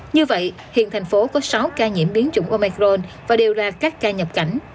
như vậy hiện thành phố có sáu ca nhiễm biến chủng omicron và đều là các ca nhập cảnh